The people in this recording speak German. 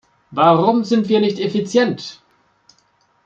Warum sind wir nicht effizient?